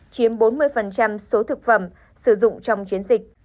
chiếm bốn mươi số thực phẩm sử dụng trong chiến dịch